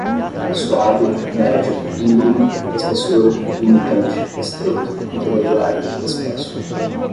suave, médio, íngreme, espessura, limitante, estreito, intermediário, espesso